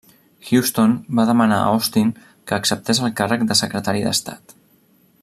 Houston va demanar a Austin que acceptés el càrrec de secretari d'estat.